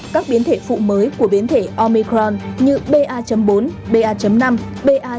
các biến thể phụ mới của biến thể omicron như ba bốn ba năm ba hai bảy mươi năm ba hai một mươi hai